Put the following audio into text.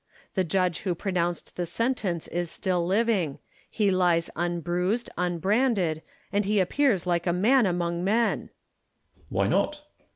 The judge who pronounced the sentence is still living ; he lives unbruised, unbranded, and he appears like a man among men. Merino. Why not